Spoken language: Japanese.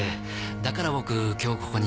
だから僕今日ここに。